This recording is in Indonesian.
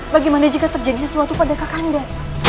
bagaimana jika terjadi sesuatu pada kakanda